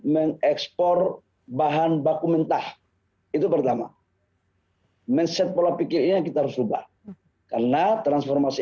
mengekspor bahan baku mentah itu pertama mindset pola pikirnya kita harus ubah karena transformasi